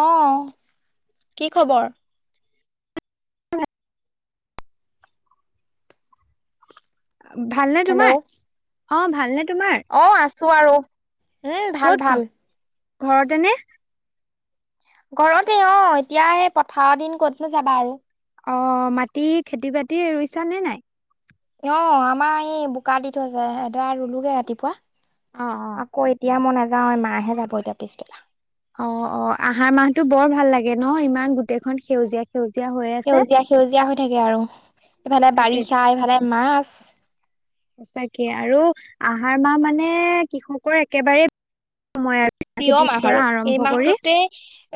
অঁ' কি খবৰ? [unintelligible] ভালনে তোমাৰ, অঁ' ভালনে তোমাৰ? অঁ' আছো আৰু। উম ভাল ক'ত ভাল। ঘৰ, ঘৰতে নে? ঘৰতে অঁ' এতিয়া সেই পথায়ৰ দিন ক'তনো যাবা আৰু। অঁ' মাটি খেতি বাতি ৰুইছা নে নাই? অঁ' আমাৰ ই বোকা দি থৈছে, এদৰা ৰুলোগে ৰাতিপুৱা। অ অ আকৌ এতিয়া মই নাযাও, মাহে যাব এতিয়া পিছবেলা। অঁ অঁ' আহাৰ মাহটো বৰ ভাল লাগে ন' ইমান গোটেইখন সেউজীয়া সেউজীয়া হৈ আছে। সেউজীয়া সেউজীয়া হৈ থাকে আৰু ইফালে সঁচাকে বাৰিষা, ইফালে মাছ। সঁচাকে আৰু আহাৰ মাহ মানে কৃষকৰ একেবাৰেই সময় আৰু। প্ৰিয় মাহ আৰু এই কৰি মাহটোতে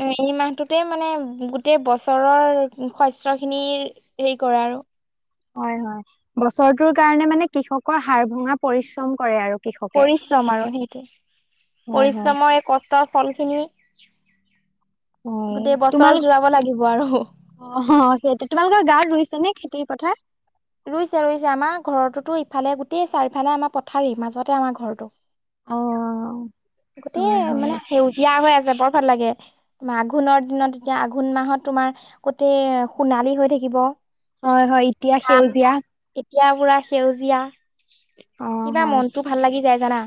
এ এই মাহটোতে মানে গোটেই বছৰৰ শস্য খিনিৰ সেৰি কৰে আৰু। হয় হয়। বছৰটোৰ কাৰণে মানে কৃষকৰ হাৰ ভঙা পৰিশ্ৰম কৰে আৰু। কৃষকে। পৰিশ্ৰম আৰু সেইটোৱে, হয় হয় পৰিশ্ৰমৰ কষ্ট ফল খিনি গোটেই বছৰ জোৰাব লাগিব আৰু। অহ' সেইটো, তোমালোকৰ গাঁৱত ৰুইছে নে খেতি পথাৰ? ৰুইছে ৰুইছে, আমাৰ ঘৰটোতো ইফালে গোটেই চাৰিফালে আমাৰ পথাৰে মাজতে আমাৰ ঘৰটো। অঁ। গোটেই মানে সেউজীয়া হৈ আছে বৰ ভাল লাগে। আঘোণৰ দিনত এতিয়া আঘোণ মাহত তোমাৰ গোতেই সোণালী হৈ থাকিব। হয় হয়, এতিয়া ধান সেউজীয়া। এতিয়া পুৰা সেউজীয়া, অ কিবা হয় মনটো ভাল লাগি যায় জানা।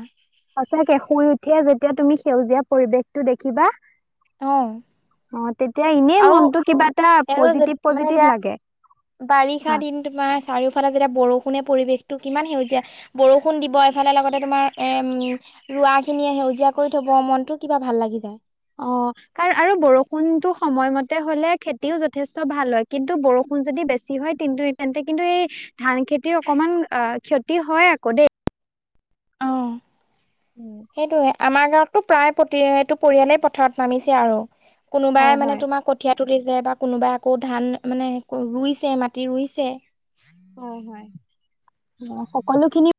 সঁচাকে, শুই উঠিয়েই যেতিয়া তুমি সেউজীয়া পৰিৱেশটো দেখিবা। অঁ। অঁ' তেতিয়া এনেই মনটো কিবা এটা আৰু পজিটিভ মানে পজিটিভ এতিয়া লাগে। বাৰিষা হয় দিনটোত তোমাৰ চাৰিওফালে যেতিয়া বৰষুণে পৰিৱেশটো কিমান সেউজীয়া। বৰষুণ দিব এইফালে লগতে তোমাৰ এম ৰোৱা খিনিয়ে সেউজীয়া কৰি থব মনটো কিবা ভাল লাগি যায়। অঁ। আৰু বৰষুণতো সময়মতে হ'লে খেতিও যথেষ্ট ভাল হয় কিন্তু বৰষুণ যদি বেছি হয় কিন্তু তেন্তে কিন্তু এই ধান খেতিৰ অকনমান আহ' ক্ষতি হয় আকৌ দেই। উমঁ। সেইটোৱে, আমাৰ গাঁৱতটো প্ৰায় এইটো পৰিয়ালেই পথাৰত নামিছে আৰু। কোনোবাই হয় মানে হয় তোমাৰ কঠীয়া তুলিছে বা কোনোবাই আকৌ ধান মানে ৰুইছে মাটি ৰুইছে। হয় হয় অ সকলোখিনি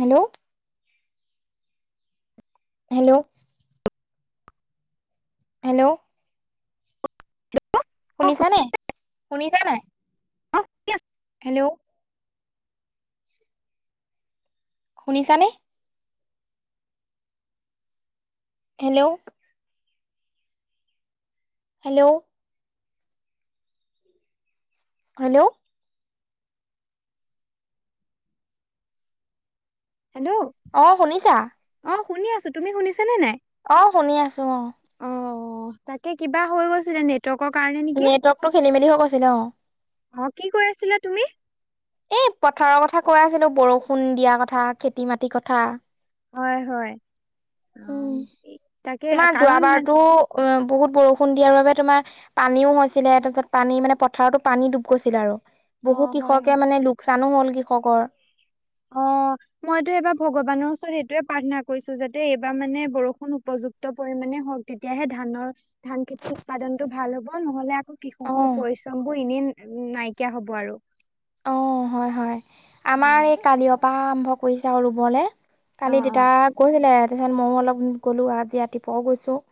হেল্ল' হেল্ল ' হেল্ল' শুনিছা নে শুনিছা নাই অ শুনি আছো হেল্ল' শুনিছানে হেল্ল' হেল্ল' হেল্ল' হেল্ল' অ শুনিছা অ শুনি আছো তুমি শুনিছা নে নাই অ শুনি আছো অ অ তাকে কিবা হৈ গৈছিলে নেট ৱকৰ কাৰনে নেটৱৰ্কতটো খেলি মেলি হৈ গৈছিলে অ অ কি কৈ আছিলা তুমি এই পথাৰৰ কথা কৈ আছিলো বৰষুণ দিয়া কথা খেতি মাটিৰ কথা হয় হয় অ উম এই তাকে তোমাৰ কাৰণ মানে যোৱাবাৰতো অ বহুত বৰষুণ দিয়াৰ বাবে তোমাৰ পানীও হৈছিলে তাৰপিছত পানী মানে পথাৰতো পানী ডুব গৈছিলে আৰু অ বহু হয় কৃষকে হয় মানে লোকচানো হল কৃষকৰ অ মইতো এইবাৰ ভগৱানৰ ওচৰত এইটোয়ে প্ৰাৰ্থনা কৰিছো যাতে এইবাৰ মানে বৰষুণ উপযুক ক্ত পৰিমাণে হওক তেতিয়াহে ধানৰ ধান খেতি উৎপাদনতটো ভাল হ'ব নহলে আকৌ অ কৃষকৰ পৰিশ্ৰম বোৰ এনেই নাইকিয়া হব আৰু অ হয় হয় উম। আমাৰ এই কালিঅ পা আৰম্ভ কৰিছে আউ ৰুবলে অ কালি অ দেতা গৈছিলে তাৰপিছত মউ অলপ গলো আজি ৰাতিপুৱাও গৈছো।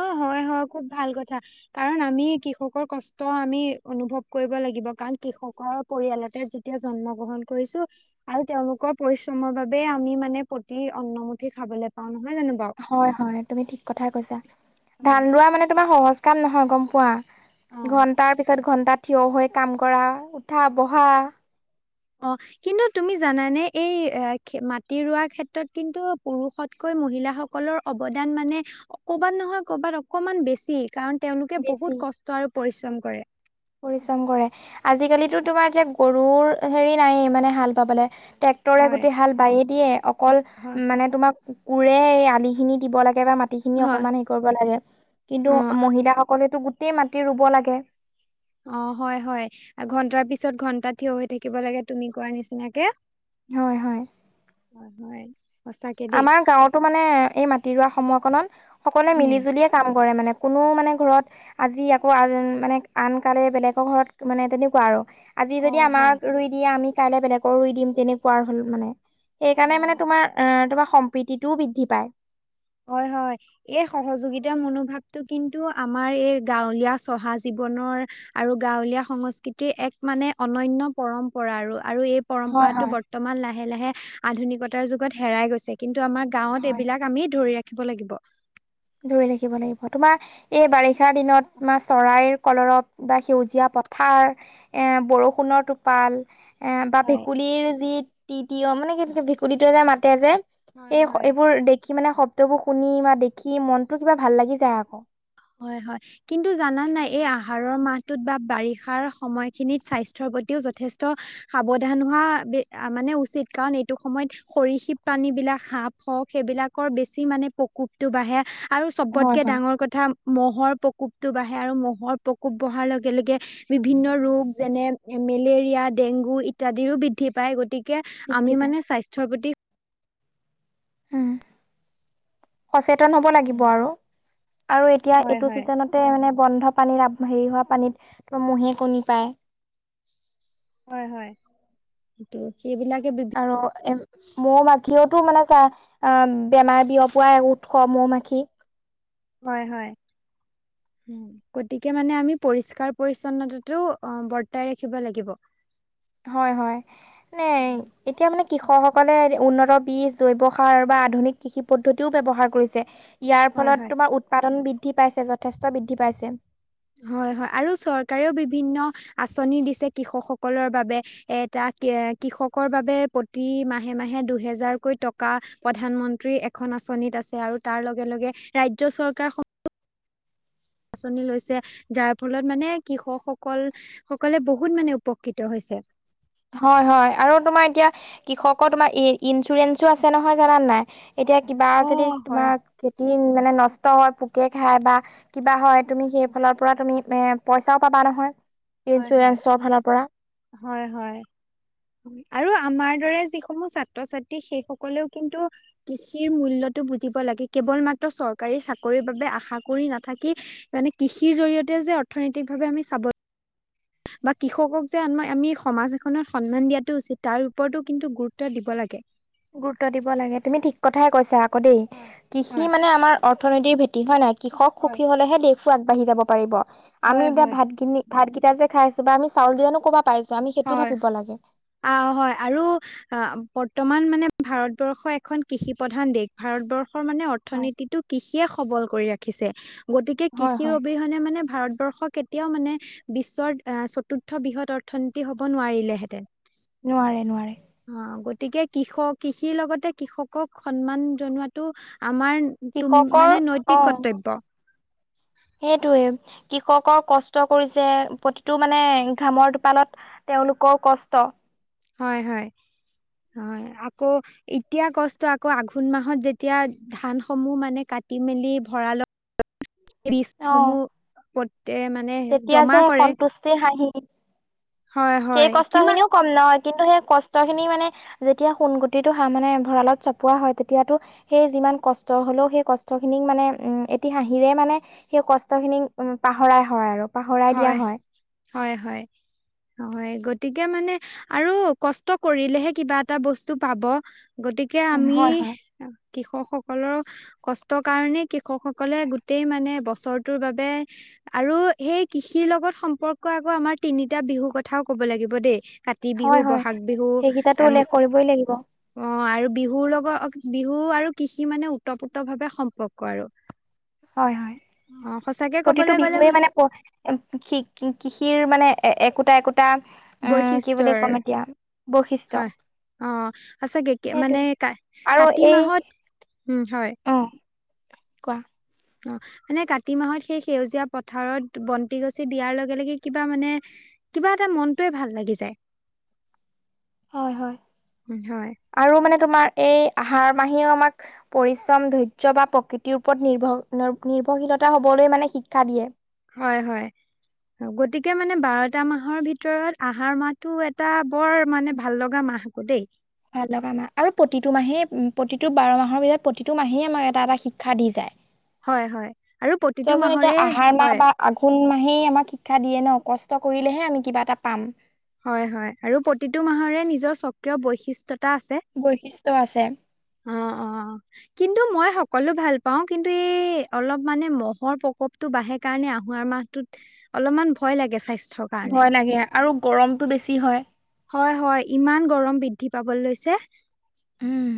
অ হয় হয় খুব ভাল কথা কাৰণ আমি কৃষকৰ কষ্ট আমি অনুভৱ কৰিব লাগিব কাৰণ কৃষকৰ পৰিয়ালতে যেতিয়া জন্ম গ্ৰহণ কৰিছো আৰু তেওঁলোকৰ পৰিশ্ৰমৰ বাবে আমি মানে প্ৰতি অন্নমুঠি খাবলৈ পাওঁ নহয় জানো বাউ। হয় হয় তুমি ঠিক কথাই কৈছা ধান হয় ৰোৱা মানে তোমাৰ সহজ কাম নহয় গম অ পোৱা। ঘন্টাৰ পিছত ঘন্টা থিয় হৈ কাম কৰা উঠা বহা অ কিন্তু তুমি জানানে এই এ মাটি ৰোৱাৰ ক্ষেত্ৰত কিন্তু পুৰুষত কৈ মহিলাসকলৰ অৱদান মানে কৰবাত নহয় কৰবাত অকমান বেছি। কাৰণ তেওঁলোকে বেছি বহুত কষ্ট আৰু পৰিশ্ৰম কৰে পৰিশ্ৰম কৰে আজিকালিতো তোমাৰ এতিয়া গৰুৰ হেৰি নাই য়ে মানে হাল বাবলে ট্ৰেক তৰে হয় গোটেই হাল বায়ে দিয়ে হয় অকল হয় মানে তোমাক কোৰে আলিখিনি দিব লাগে বা মাট টি খিনি হয়, অকমান হে কৰিব লাগে অ কিন্তু মহিলাসকলেতো গোটেই মাটি ৰুব লাগে। অ হয় হয় ঘন্টাৰ পিছত ঘন্টা থিয় হৈ থাকিব লাগে তুমি কোৱাৰ নিচিনাকে হয় হয় হয় হয় সঁচাকে দেই আমাৰ গাঁৱতো মানে এই মাটি ৰোৱা সময়কনত সকলোৱে মিলি উম জুলিয়ে কাম কৰে মানে কোনো মানে ঘৰত আজি আকৌ আন মানে আনকালে বেলেগৰ ঘৰত মানে তেনেকুৱা আৰু আজি অ যদি হয় আমাক ৰুই দিয়ে আমি কাইলে বেলেগৰ ৰুই দিম তেনেকুৱা হ'ল মানে অ সেইকাৰণে মানে তোমাৰ অ তোমাৰ সম্প্ৰীতিটোও বৃদ্ধি পায়। হয় হয়। এই সহযোগিতাৰ মনোভাৱটো কিন্তু আমাৰ এই গাঁৱলীয়া চহা জীৱনৰ আৰু গাঁৱলীয়া সংস্কৃতিৰ এক মানে অনন্য পৰম্পৰা আৰু আৰু এই হয় পৰম্পৰাটো হয় বৰ্তমান লাহে লাহে আধুনিকতাৰ যুগত হেৰাই গৈছে কিন্তু আমাৰ গাঁৱত হয় এইবিলাক আমি ধৰি ৰাখিব লাগিব। ধৰি ৰাখিব লাগিব তোমাৰ এই বাৰিষা দিনত তোমাৰ চৰাইৰ কলৰত বা সেউজীয়া পথাৰ এ বৰষুণৰ টোপাল এ বা হয় ভেকুলীৰ যি তি তিয় মানে কি ভেকুলীটো যে মাতে যে হয় এই হয় এইবোৰ দেখি মানে শব্দবোৰ শুনি বা দেখি মনটো কিবা ভাল লাগি যায় আকৌ। হয়, হয়। কিন্তু জানা নাই এই আহাৰৰ মাহটোত বা বাৰিষাৰ সময়খিনিত স্বাস্থ্যৰ প্ৰতিও যথেষ্ট সাৱধান হোৱা বে মানে উচিত, কাৰণ এইটো সময়ত সৰিসৃপ প্ৰাণীবিলাক সাপ হওক সেইবিলাকৰ বেছি মানে প্ৰকোপটো বাঢ়ে আৰু হয় চবতকে হয় ডাঙৰ কথা মহ'ৰ প্ৰকোপটো বাঢ়ে আৰু মহ'ৰ প্ৰকোপ বঢ়াৰ লগে লগে বিভিন্ন ৰোগ যেনে মেলেৰিয়া, ডেংগু ইত্যাদিৰো বৃদ্ধি পায় গতি কে বৃদ্ধি আমি পায় মানে স্বাস্থ্যৰ প্ৰতি উম সচেতন হ'ব লাগিব উম আৰু আৰু এতিয়া হয় এইটো হয় চিজন তে মানে বন্ধ পানীত হেৰি হোৱা পানীত মহে কণী পাৰে। হয় হয় সেইবিলাকে বিভিন্ন আৰু এ মৌ মাখিয়েইতো মানে অ' বেমাৰ বিয়পোৱা এক উৎস মৌ মাখি। হয়, হয়। গতিকে মানে আমি পৰিষ্কাৰ পৰিছন্নতাটো অ' বৰ্তাই ৰাখিব লাগিব। হয়, হয়। মানে এতিয়া মানে কৃষকসকলে উন্নত বীজ জৈৱ সাৰ বা আধুনিক কৃষি পদ্ধতিও ব্যৱহাৰ কৰিছে। ইয়াৰ হয়, হয় ফলত তোমাৰ উৎপাদন বৃদ্ধি পাইছে, যথেষ্ট বৃদ্ধি পাইছে। হয়, হয় আৰু চৰকাৰেও বিভিন্ন আঁচনি দিছে কৃষকসকলৰ বাবে এটা কে কৃষকৰ বাবে প্ৰতি মাহে, মাহে দুহেজাৰকৈ ট কা, প্ৰধানমন্ত্ৰী এখন আঁচনিত আছে আৰু তাৰ লগে- লগে ৰাজ্য চৰকাৰ খ আঁচনি লৈছে, যাৰ ফলত মানে কৃষকসকল সকলে বহুত মানে উপকৃত হৈছে। হয়, হয় আৰু তোমাৰ এতিয়া কৃষকৰ তোমাৰ ই ইঞ্চুৰেঞ্চো আছে নহয়, জানানে নাই। এতিয়া কিবা যদি অ', হয়, তোমাৰ খেতি মানে নষ্ট হয়, পোকে খায় বা কিবা হয় তুমি সেইফালৰ পৰা তুমি এ পইচাও পাবা নহয় হয়, হয়। ইঞ্চুৰেঞ্চৰ ফালৰ পৰা। হয়, হয়। আৰু আমাৰ দৰে যিসমূহ ছাত্ৰ ছাত্ৰী সেই সকলেও কিন্তু কৃষিৰ মূল্যটো বুজিব লাগে কেৱল মাত্ৰ চৰকাৰী চাকৰিৰ বাবে আশা কৰি নাথাকি মানে কৃষিৰ জৰিয়তেও যে অৰ্থনৈতিকভাৱে আমি স্বাৱ বা কৃষকক যে আমা আমি সমাজ এখনত সন্মান দিয়াাটো উচিত, তাৰ ওপৰতো কিন্তু গুৰুত্ব দিব লাগে। গুৰুত্ব দিব লাগে, তুমি ঠিক কথাই কৈছা আকৌ দেই হয় কৃষি হয় মানে আমাৰ অৰ্থনীতিৰ ভেটি হয় নাই কৃষক হয় সুখী হ'লেহে দেশো আগবাঢ়ি যাব পাৰিব, হয় আমি এতিয়া হয় ভাত খিনি ভাতকেইটা যে খাইছোঁ বা আমি চাউল দিয়ানো ক'ৰ পৰা পাইছোঁ, আমি সেইটো ভাবিব লাগে। আও হয় আৰু বৰ্তমান মানে ভাৰতবৰ্ষ এখন কৃষি প্ৰধান দেশ। ভাৰতবৰ্ষৰ মানে হয় অৰ্থনীতিটো কৃষিয়ে সবল কৰি ৰাখিছে। গতিকে হয় কৃষিৰ হয় অবিহনে মানে ভাৰতবৰ্ষক কেতিয়াও মানে বিশ্বত আ, চতুৰ্থ বৃহৎ অৰ্থনীতি হ'ব নোৱাৰিলেহেঁতেন। নোৱাৰে, নোৱাৰে। অ' গতিকে কৃষক কৃষিৰ লগতে কৃষকক সন্মান জনোৱাটো আমাৰ তুম কৃষকৰ মানে নৈতিক কৰ্তব্য। সেইটোয়ে, কৃষকৰ কষ্ট কৰিছে, প্ৰতিটো মানে ঘামৰ টোপালত তেওঁলোকৰ কষ্ট। হয়, হয়, হয়। আকৌ এতিয়া কষ্ট আকৌ আঘোণ মাহত যেতিয়া ধানসমূহ মানে কাটি মেলি ভঁড়ালত [unintelligible] অ বীজসমূহ [unintelligible] তেতিয়া জমা যে কৰে। সন্তুষ্টি হাঁহি, হয়, সেই হয়, কিমান কষ্টখিনিও কম নহয়, কিন্তু সেই কষ্টখিনি মানে যেতিয়া সোণ গুটিটো হা, মানে ভঁৰালত চপোৱা হয় তেতিয়াতো সেই যিমান কষ্ট হ'লেও সেই কষ্টখিনিক মানে উম, এটি হাঁহিৰে মানে সেই কষ্টখিনি উ, পাহৰাই হয় আৰু। পাহৰাই দিয়া হয়, হয় হয়। হয়, গতিকে মানে আৰু কষ্ট কৰিলেহে কিবা এটা বস্তু পাব। গতিকে উম আমি হয় হয় কৃষকসকলৰ কষ্টৰ কাৰণেই কৃষকসকলে গোটেই মানে বছৰটোৰ বাবে আৰু সেই কৃষিৰ লগত সম্পৰ্ক আকৌ আমাৰ তিনিটা বিহু কথাও ক'ব লাগিব দেই। কা তি বিহু, হয় হয় বহাগ বিহু সেইকেইটাতো উল্লেখ [unintelligible] কৰিবই লাগিব অ' আৰু বিহুৰ লগত, বিহু আৰু কৃষি মানে ওতপ্ৰোত ভাৱে সম্পৰ্ক আৰু। হয় হয়। অ সঁচাকে প্ৰতিটো কবলৈ গ'লে বিহুৱেই ম- মানে [unintelligible] কৃষিৰ মানে এ-একোটা একোটা উম, কি বুলি বৈশিষ্ট্যৰ ক'ম এতিয়া বৈশিষ্ট্য হয়। অ' সঁচাকেগে মানে সেইটোৱে আৰু কা-কাতি এই মাহত উম, হয়। অ' কোৱা? অ' মানে কাতি মাহত সেই সেউজীয়া পথাৰত বন্তি গছি দিয়াৰ লগে লগে কিবা মানে কিবা এটা মনটোৱে ভাল লাগি যায়। হয় হয় হয়। আৰু মানে তোমাৰ এই আহাৰ মাহেও আমাক পৰিশ্ৰম, ধৈৰ্য বা প্ৰকৃতিৰ ওপৰত নিৰ্ভৰ নিৰ্ভৰশীলতা হ'বলৈ মানে শিক্ষা দিয়ে। হয় হয়। গতিকে মানে বাৰটা মাহৰ ভিতৰত আহাৰ মাহটো এটা বৰ মানে ভাল লগা মাহ। দেই। ভাল লগা মাহ আৰু প্ৰতিটো মাহেই, প্ৰতিটো বাৰ মাহৰ ভিতৰত প্ৰতিটো মাহেই আমাক এটা এটা শিক্ষা দি যায়। হয় হয় আৰু প্ৰতিটো চোৱাচোন এতিয়া মাহৰে, আহাৰ মাহ হয়। বা আঘোণ মাহেই আমাক শিক্ষা দিয়ে ন'? কষ্ট কৰিলেহে আমি কিবা এটা পাম। হয় হয় আৰু প্ৰতিটো মাহৰে নিজৰ স্বক্ৰিয় বৈশিষ্ট্যতা আছে। বৈশিষ্ট আছে। অ', অ'। কিন্তু মই সকলো ভাল পাওঁ, কিন্তু এই অলপ মানে ম'হৰ প্ৰকোপ- ম'হ তো বাঢ়ে কাৰণে আহুৱাৰ মাহত অলপমান ভয় লাগে স্বাস্থ্য- ভয় লাগে আৰু গৰমটো বেছি হয়। হয়-হয়, ইমান গৰম বৃদ্ধি পাব লৈছে। উম।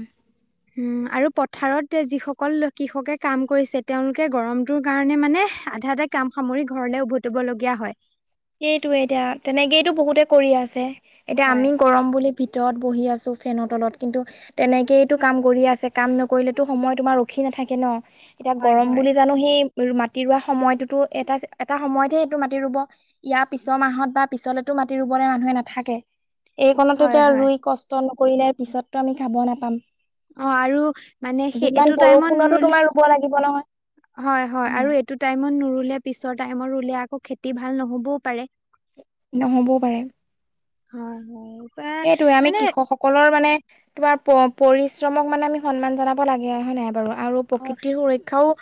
উম, আৰু পথাৰত যিসকল কৃষকে কাম কৰিছে তেওঁলোকে গৰমটোৰ কাৰণে মানে আধাতে- কাম সামৰি ঘৰলে উভতিব লগীয়া হয়। সেইটোৱে এতিয়া তেনেকেই তো বহুতে কৰি আছে। এতিয়া হয়, আমি গৰম বুলি- ভিতৰত বহি আছোঁ ফেনৰ তলত কিন্তু- তেনেকেই টো কাম কৰি আছে কাম নকৰিলেতো সময় তোমাৰ ৰখি নাথাকে ন। এতিয়া হয়, গৰম হয়, বুলি জানো সেই মাটি ৰোৱা সময়টোতো এটা-এটা সময়ত'হে সেইটো মাটি ৰুব। ইয়াৰ পিছৰ মাহত বা পিছলেতো মাটি ৰুবলৈ মানুহে নাথাকে। এইকণতে হয়, তেওঁ হয় ৰুই কষ্ট- নকৰিলে পিছতটো আমি খাব নাপাম। অঁ', -আৰু মানে সেই যিমান এইটো টাইমত বৰষুণতো নোৰুলে, তোমাৰ ৰুব লাগিব নহয় হয়- হয়, অ আৰু- টো টাইমত নৰুলে পিছৰ টাইমত ৰুলে আকৌ খেতি ভাল নহ'বও পাৰে। নহ'বও পাৰে। উম, হয়। বা সেইটোয়ে আমি মানে কৃষক- সকলৰ মানে তোমাৰ পৰিশ্ৰমক মানে আমি সন্মান জনাব লাগে, হয় নাই বাৰু। আৰু প্ৰকৃতিৰ সুৰক্ষাও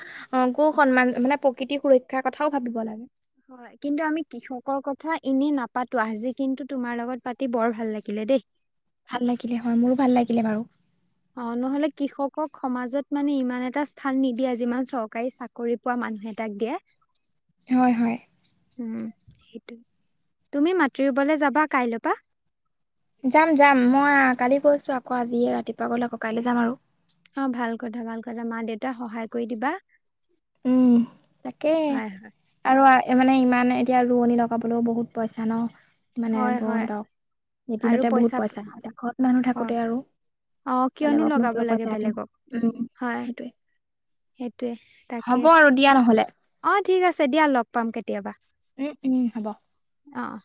কো সন্মান মানে প্ৰকৃতিৰ সুৰক্ষাৰ কথাও ভাবিব লাগে। হয়, কিন্তু আমি কৃষকৰ কথা এনেই নাপাতো, আজি কিন্তু তোমাৰ লগত পাতি বৰ ভাল লাগিলে দেই। ভাল লাগিলে হয়, মোৰো ভাল লাগিলে বাৰু। অহ', নহ'লে কৃষকক সমাজত মানে ইমান এটা স্থান নিদিয়ে যিমান চৰকাৰী-চাকৰি- পোৱা মানুহ কেইটাক দিয়ে। হয়-হয়। উম' সেইটোৱে। তুমি মাটি ৰুবলে যাবা কাইলৈ পৰা? যাম-যাম, মই কালি গৈছো আকৌ আজি ৰাতিপুৱা গ'লে আকৌ কাইলৈ যাম আৰু। অঁহ', ভাল কথা, ভাল কথা, মাঁ-দেউতাক সহায় কৰি দিবা। উমঁ, তাকে। হয় হয় আৰু মানে ইমান এতিয়া ৰোৱনি লগাবলৈও বহুত পইচা ন। মানে হয় হয় বহুত, এদিনতে বহুত পইচা এ' ঘৰত মানুহ থাকোতে আৰু। অঁহ', - কিয়নো বেলেগকনো লগাব কিয় লাগে পইচা দিম বেলেগক উম হয়। সেইটোৱে সেইটোৱে তাকে। হ'ব আৰু দিয়া নহ'লে অঁহ', ঠিক আছে দিয়া লগ পাম কেতিয়াবা। উম-উম, হ'ব। অঁ।